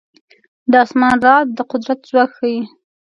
د اسمان رعد د قدرت ځواک ښيي.